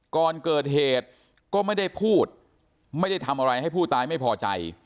ก่อนเกิดเหตุก็ไม่ได้พูดไม่ได้ทำอะไรให้ผู้ตายไม่พอใจ